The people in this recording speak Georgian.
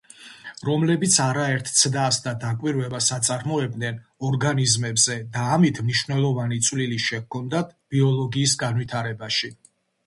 რომლებიც არაერთ ცდას და დაკვირვებას აწარმოებდნენ ორგანიზმებზე და ამით მნიშვნელოვანი წვლილი შეჰქონდათ ბიოლოგიის განვითარებაში.